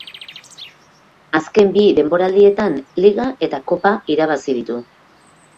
Azken bi denboraldietan Liga eta Kopa irabazi ditu.